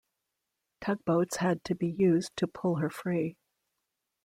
Tugboats had to be used to pull her free.